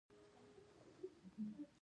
څوکه د غره د ډېرې لوړې نقطې ته وایي.